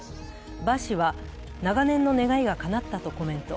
馬氏は、長年の願いがかなったとコメント。